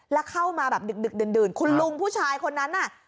แล้วเข้ามาแบบดึกดื่นคุณลุงผู้ชายคนนั้นน่ะ